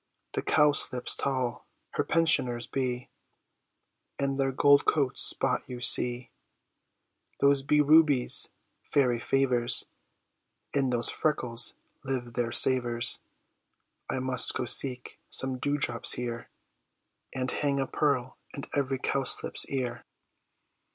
The cowslips tall her pensioners be; In their gold coats spots you see; Those be rubies, fairy favours, In those freckles live their savours: I must go seek some dewdrops here, And hang a pearl in every cowslip's ear.